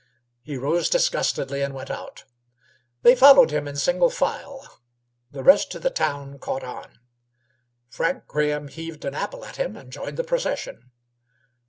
He rose disgustedly and went out. They followed him in single file. The rest of the town "caught on." Frank Graham heaved an apple at him, and joined the procession.